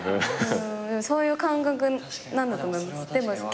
そういう感覚なんだと思います。